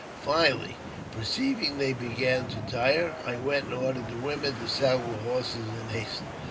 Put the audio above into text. Finally, perceiving they began to tire, I went and ordered the women to saddle the horses in haste.